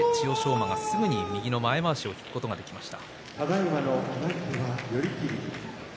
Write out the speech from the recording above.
馬がすぐに右の前まわしを引くことができました。